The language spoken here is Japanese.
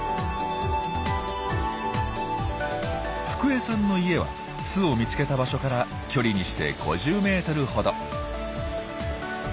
ふく江さんの家は巣を見つけた場所から距離にして５０メートルほど。